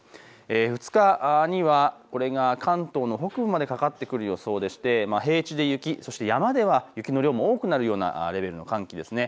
２日にはこれが関東の北部までかかってくる予想でして平地で雪、そして山では雪の量も多くなるようなレベルの寒気ですね。